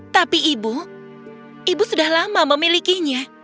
tapi ibu ibu sudah lama memilikinya